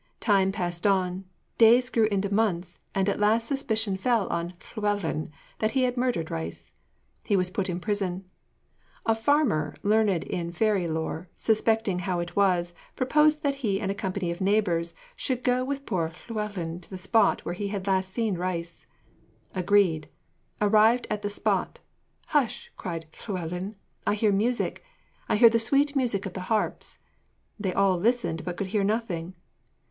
Time passed on; days grew into months; and at last suspicion fell on Llewellyn, that he had murdered Rhys. He was put in prison. A farmer learned in fairy lore, suspecting how it was, proposed that he and a company of neighbours should go with poor Llewellyn to the spot where he had last seen Rhys. Agreed. Arrived at the spot, 'Hush,' cried Llewellyn, 'I hear music! I hear the sweet music of the harps!' They all listened, but could hear nothing.